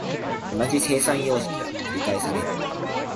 同じ生産様式が繰返される。